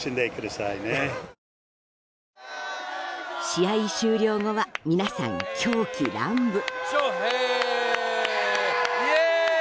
試合終了後は皆さん、狂喜乱舞。